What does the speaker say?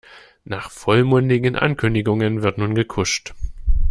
Nach vollmundigen Ankündigungen wird nun gekuscht.